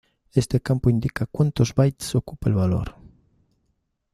Este campo indica cuántos bytes ocupa el valor.